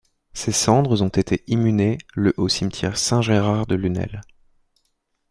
Ses cendres ont été inhumées le au cimetière Saint-Gérard de Lunel.